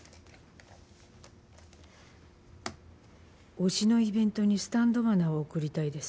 「推しのイベントにスタンド花を贈りたいです」